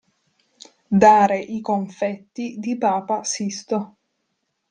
Dare i confetti di papa Sisto.